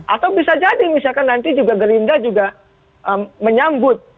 atau bisa jadi misalkan nanti juga gerindra juga menyambut